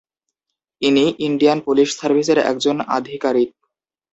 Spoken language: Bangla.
ইনি ইন্ডিয়ান পুলিশ সার্ভিসের একজন আধিকারিক।